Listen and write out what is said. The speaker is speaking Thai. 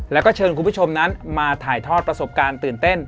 แล้วก็เชิญคุณผู้ชมนั้นมาถ่ายทอดประสบการณ์ตื่นเต้น